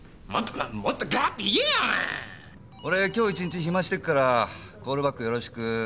俺今日一日ヒマしてるからコールバックよろしく。